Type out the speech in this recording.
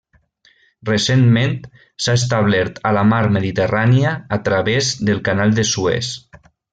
Recentment s'ha establert a la Mar Mediterrània a través del Canal de Suez.